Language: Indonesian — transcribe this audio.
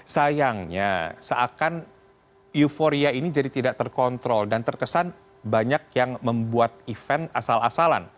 sayangnya seakan euforia ini jadi tidak terkontrol dan terkesan banyak yang membuat event asal asalan